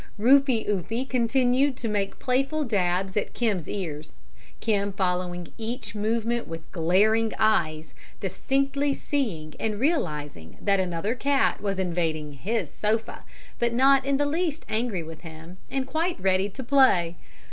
Rufie Oofie continued to make playful dabs at Kim's ears, Kim following each movement with glaring eyes, distinctly seeing and realizing that another cat was invading his sofa, but not in the least angry with him and quite ready to play.